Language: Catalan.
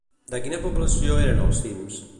De quina població eren els cims?